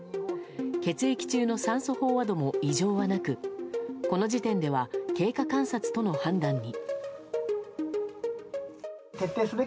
血液中の酸素飽和度も異常はなくこの時点では経過観察との判断に。